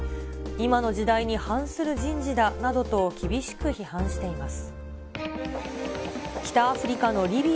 今の時代に反する人事だなどと厳しく批判しています。